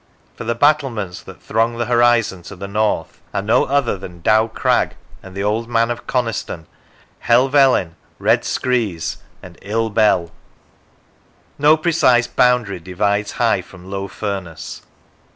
For the battlements that throng the horizon to the north are no other than Dow Crag, and the Old Man of Coniston, Helvellyn, Red Screes, and 111 Bell. No precise boundary divides High from Low Furness.